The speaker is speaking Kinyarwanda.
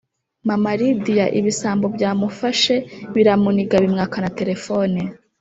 Mama lidiya ibisambo byamufashe biramuniga bimwaka na telefone